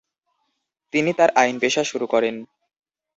তিনি তার আইনপেশা শুরু করেন।